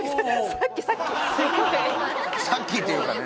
「さっき」って言うたね